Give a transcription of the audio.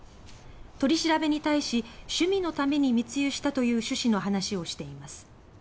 取り調べに対し趣味のために密輸したという趣旨の話をしています。